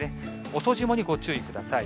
遅霜にご注意ください。